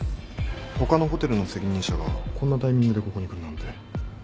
他のホテルの責任者がこんなタイミングでここに来るなんて。